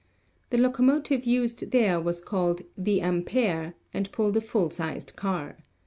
The locomotive used there was called "The Ampere," and pulled a full sized car.